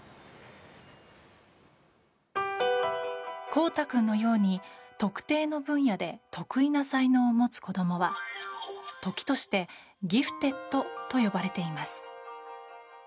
こうた君のように特定の分野で特異な才能を持つ子供は時としてギフテッドと呼ばれています。